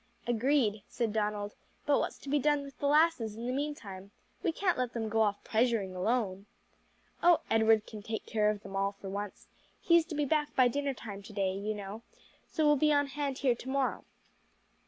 "Agreed," said Donald; "but what's to be done with the lasses in the meantime? We can't let them go off pleasuring alone." "Oh, Edward can take care of them all for once; he's to be back by dinner time to day, you know, so will be on hand here to morrow."